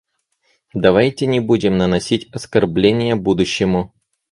Давайте не будем наносить оскорбления будущему.